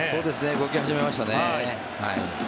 動き始めましたね。